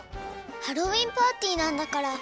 ハロウィーンパーティーなんだから。